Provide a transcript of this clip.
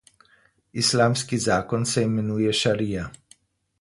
Islamski zakon se imenuje šarija.